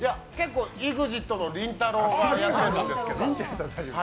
ＥＸＩＴのりんたろーがやってるんですけど。